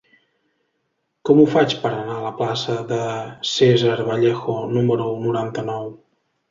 Com ho faig per anar a la plaça de César Vallejo número noranta-nou?